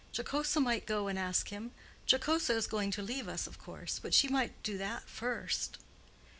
Jocosa might go and ask him. Jocosa is going to leave us, of course. But she might do that first."